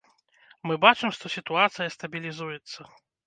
Мы бачым, што сітуацыя стабілізуецца.